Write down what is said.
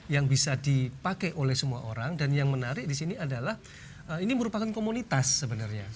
yang bisa dipakai oleh semua orang dan yang menarik di sini adalah ini merupakan komunitas sebenarnya